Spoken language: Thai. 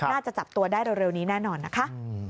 น่าจะจับตัวได้เร็วนี้แน่นอนนะคะ